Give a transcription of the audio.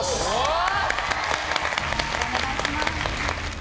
お願いします。